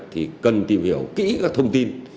thì cần tìm hiểu kỹ các thông tin